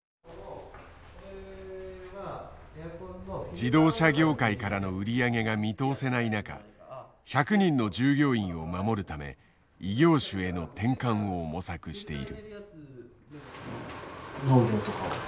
自動車業界からの売り上げが見通せない中１００人の従業員を守るため異業種への転換を模索している。